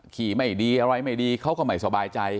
ขี่ไม่ดีอะไรไม่ดีเขาก็ไม่สบายใจ